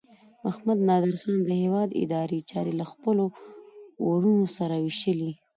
محمد نادر خان د هیواد اداري چارې له خپلو وروڼو سره وویشلې.